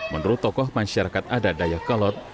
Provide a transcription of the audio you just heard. menurut tokoh masyarakat adat dayakolot